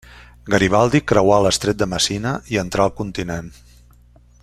Garibaldi creuà l'Estret de Messina i entrà al continent.